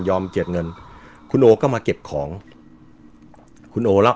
ยอมเกียจเงินคุณโอก็มาเก็บของคุณโอเล่า